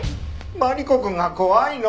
マリコくんが怖いの！